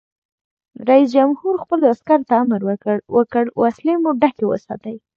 رئیس جمهور خپلو عسکرو ته امر وکړ؛ وسلې مو ډکې وساتئ!